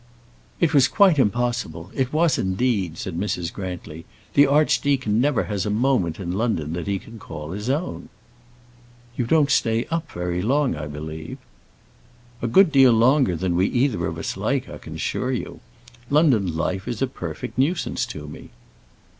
"It was quite impossible; it was indeed," said Mrs. Grantly. "The archdeacon never has a moment in London that he can call his own." "You don't stay up very long, I believe." "A good deal longer than we either of us like, I can assure you. London life is a perfect nuisance to me."